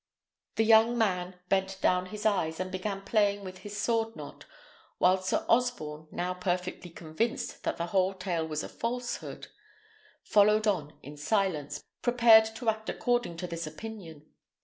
The young man bent down his eyes, and began playing with his sword knot, while Sir Osborne, now perfectly convinced that the whole tale was a falsehood, followed on in silence, prepared to act according to this opinion.